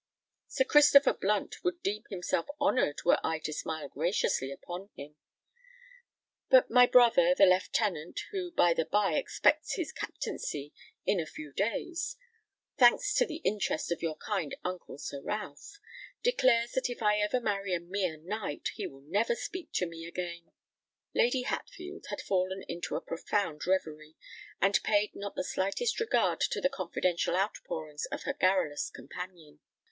Sir Christopher Blunt would deem himself honoured were I to smile graciously upon him; but my brother, the lieutenant—who, by the by, expects his captaincy in a few days, thanks to the interest of your kind uncle Sir Ralph—declares that if ever I marry a mere knight, he will never speak to me again." Lady Hatfield had fallen into a profound reverie, and paid not the slightest regard to the confidential outpourings of her garrulous companion.